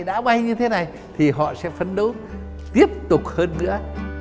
đã bay như thế này thì họ sẽ phấn đấu tiếp tục hơn nữa